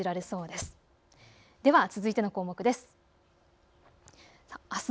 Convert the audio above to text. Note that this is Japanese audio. では続いての項目です。